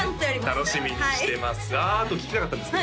楽しみにしてます